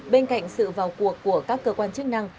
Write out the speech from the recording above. bên cạnh sự vào cuộc của các cơ quan chức năng